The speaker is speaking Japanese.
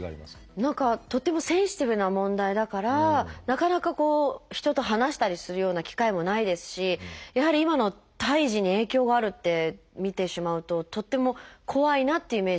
何かとってもセンシティブな問題だからなかなか人と話したりするような機会もないですしやはり今の胎児に影響があるって見てしまうととっても怖いなっていうイメージもありますね。